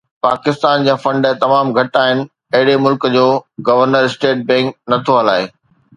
پاڪستان جا فنڊ تمام گهٽ آهن، اهڙي ملڪ جو گورنر اسٽيٽ بئنڪ نٿو هلائي